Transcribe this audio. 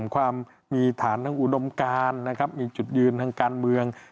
ความมีฐานทั้งอุดมการนะครับมีจุดยืนทางการเมือง